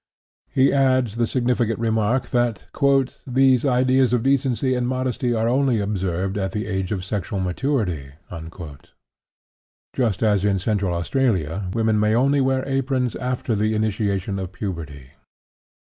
" He adds the significant remark that "these ideas of decency and modesty are only observed at the age of sexual maturity," just as in Central Australia women may only wear aprons after the initiation of puberty.